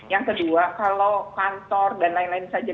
yang kedua kalau kantor dan lain lain saja